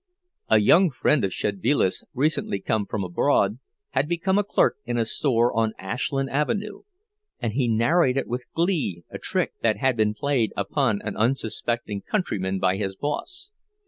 A young friend of Szedvilas', recently come from abroad, had become a clerk in a store on Ashland Avenue, and he narrated with glee a trick that had been played upon an unsuspecting countryman by his boss.